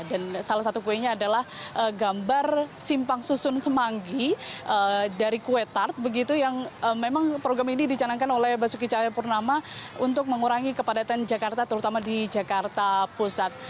dan salah satu kuenya adalah gambar simpang susun semanggi dari kue tart begitu yang memang program ini dicanangkan oleh basuki cahaya purnama untuk mengurangi kepadatan jakarta terutama di jakarta pusat